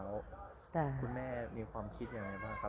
คุณแม่คุณคุณแม่มีความคิดอย่างไรบ้างครับ